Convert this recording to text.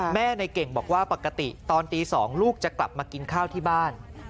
ในเก่งบอกว่าปกติตอนตี๒ลูกจะกลับมากินข้าวที่บ้าน